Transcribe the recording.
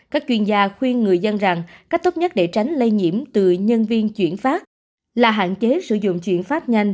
các chuyên gia khuyên người dân rằng cách tốt nhất để tránh lây nhiễm từ nhân viên chuyển phát là hạn chế sử dụng chuyển phát nhanh